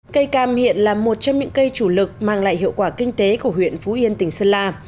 cây cam hiện là một trong những cây chủ lực mang lại hiệu quả kinh tế của huyện phú yên tỉnh sơn la